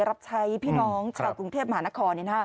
รับใช้พี่น้องชาวกรุงเทพมหานคร